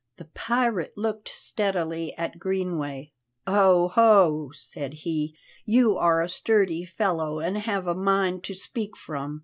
The pirate looked steadily at Greenway. "Oho!" said he, "you are a sturdy fellow, and have a mind to speak from.